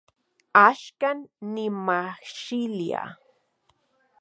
Axkan nimajxilia